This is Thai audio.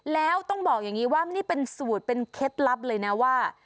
แล้วต้องบอกอย่างนี้ว่านี่เป็นสูตรเป็นเคล็ดลับเลยนะว่า